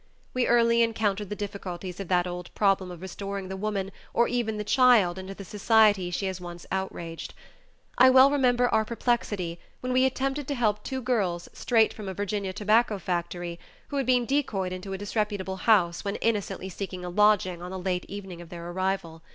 We early encountered the difficulties of that old problem of restoring the woman, or even the child, into the society she has once outraged. I well remember our perplexity when we attempted to help two girls straight from a Virginia tobacco factory, who had been decoyed into a disreputable house when innocently seeking a lodging on the late evening of their arrival.